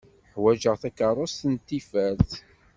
Ḥwaǧeɣ takeṛust n tifert.